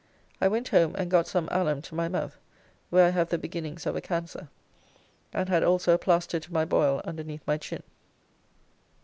I went home and got some ahlum to my mouth, where I have the beginnings of a cancer, and had also a plaster to my boil underneath my chin.